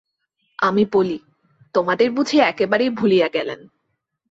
আমি বলি, আমাদের বুঝি একেবারেই ভুলিয়া গেলেন।